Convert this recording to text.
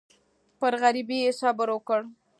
پر غریبۍ یې صبر وکړ.